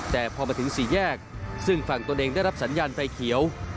แต่พอมาถึงสี่แยกซึ่งฝั่งตนเองได้รับสัญญาณไฟเขียว